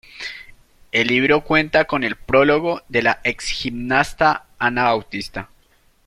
El libro cuenta con el prólogo de la exgimnasta Ana Bautista.